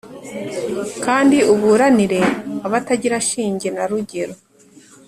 kandi uburanire abatagira shinge na rugero